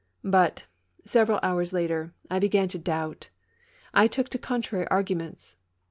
But, several hours later, I began to doubt, I took to contrary arguments.